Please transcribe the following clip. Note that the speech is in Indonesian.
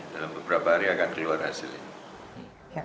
dalam beberapa hari akan keluar hasil ini